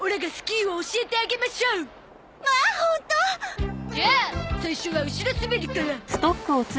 まあホント？じゃあ最初は後ろ滑りから。